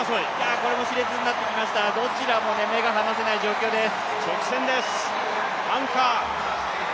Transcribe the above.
これもしれつになってきました、どちらも目が離せない戦いです。